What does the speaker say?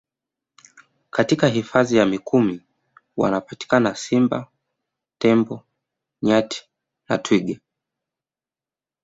Katika Hifadhi ya Mikumi wanapatikana Simba Tembo Nyati na Twiga